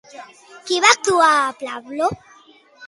Qui va actuar a Pablo?